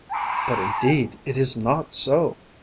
But indeed it is not so.